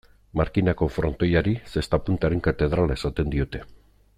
Markinako frontoiari, zesta-puntaren katedrala esaten diote.